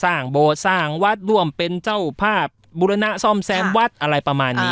โบสถสร้างวัดร่วมเป็นเจ้าภาพบุรณะซ่อมแซมวัดอะไรประมาณนี้